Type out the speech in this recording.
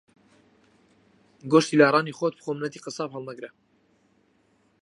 گۆشتی لاڕانی خۆت بخۆ مننەتی قەساب ھەڵمەگرە